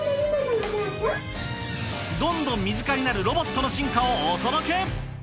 どんどん身近になるロボットの進化をお届け。